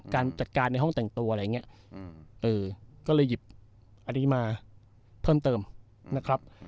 การจัดการในห้องแต่งตัวอะไรอย่างนี้ก็เลยหยิบอันนี้มาเพิ่มเติมนะครับ